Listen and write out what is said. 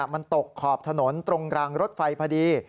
มันตกขอบถนนตรงรางรถไฟพอดี